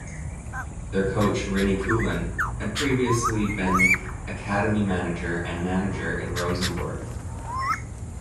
Their coach Rini Coolen had previously been academy manager and manager in Rosenborg.